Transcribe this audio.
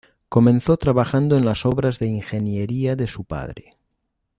Comenzó trabajando en las obras de ingeniería de su padre.